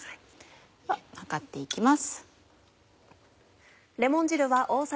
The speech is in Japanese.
では量って行きます。